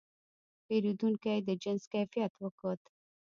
پیرودونکی د جنس کیفیت وکت.